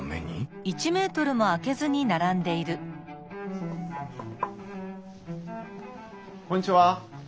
あっこんにちは。